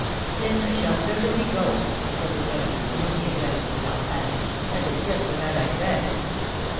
" Then I shall certainly go," said the gentleman to whom he addressed himself ; adding, " that is just what I like best."